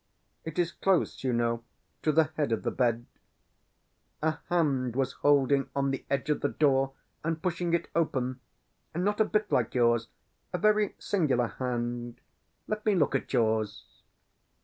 It is close, you know, to the head of the bed. A hand was holding on the edge of the door and pushing it open; not a bit like yours; a very singular hand. Let me look at yours."